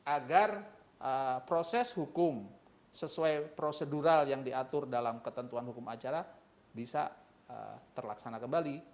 agar proses hukum sesuai prosedural yang diatur dalam ketentuan hukum acara bisa terlaksana kembali